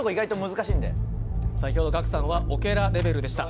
先ほどガクさんはオケラレベルでした。